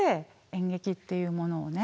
演劇っていうものをね